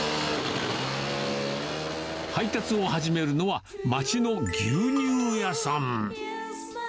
配達を始めるのは、街の牛乳屋さん。